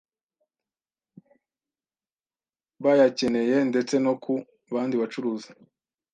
bayakeneye ndetse no ku bandi bacuruzi